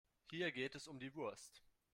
Hier geht es um die Wurst.